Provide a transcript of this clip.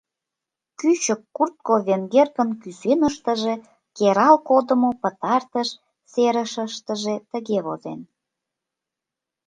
Кӱчык куртко-венгеркын кӱсенышкыже керал кодымо пытартыш серышыштыже, тыге возен: